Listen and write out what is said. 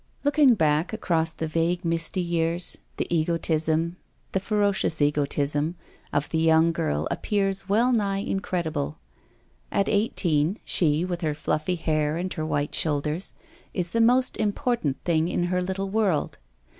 Looking back, across the vague, misty years, the egotism, the ferocious egotism, of the young girl appears well nigh incredible. At eighteen, she, with her fluffy hair and her white shoulders, is the most important thing in her little world.